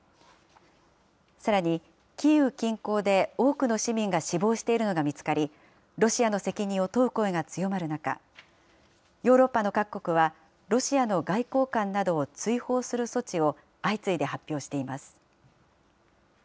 さらに、キーウ近郊で多くの市民が死亡しているのが見つかり、ロシアの責任を問う声が強まる中、ヨーロッパの各国はロシアの外交官などを追放する措置を相次いで発表しています。